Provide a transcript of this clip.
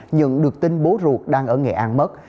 nhận được tin bố ruột đang ở nghệ an mất